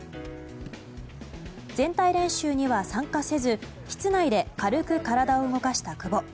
全体練習には参加せず室内で軽く体を動かした久保。